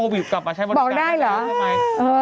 บอกได้หรือ